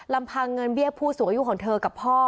ลำพังเงินเบี้ยผู้สูงอายุของเธอกับพ่อ